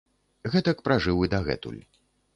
Гэтак пражыў і дагэтуль.